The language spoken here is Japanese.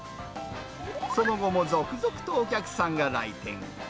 その後も続々とお客さんが来店。